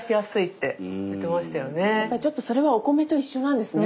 ちょっとそれはお米と一緒なんですね。